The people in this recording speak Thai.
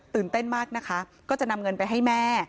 เต้นมากนะคะก็จะนำเงินไปให้แม่